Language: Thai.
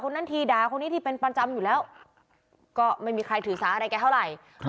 นั้นทีด่าคนนี้ทีเป็นประจำอยู่แล้วก็ไม่มีใครถือสาอะไรแกเท่าไหร่